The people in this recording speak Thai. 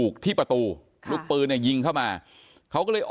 ก็ได้รู้สึกว่ามันกลายเป้าหมาย